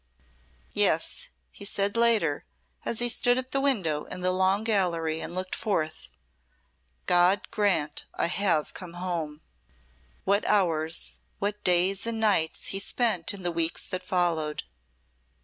"Yes," he said later, as he stood at the window in the Long Gallery and looked forth. "God grant I have come home." What hours, what days and nights he spent in the weeks that followed.